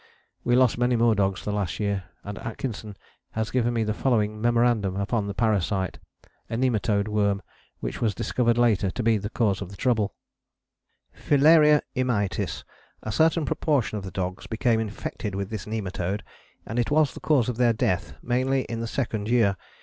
We lost many more dogs the last year, and Atkinson has given me the following memorandum upon the parasite, a nematode worm, which was discovered later to be the cause of the trouble: "Filaria immitis. A certain proportion of the dogs became infected with this nematode, and it was the cause of their death, mainly in the second year.